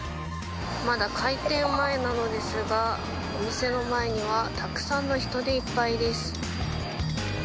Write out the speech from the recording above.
まだ開店前なのですがお店の前にはたくさんの人でいっぱいです。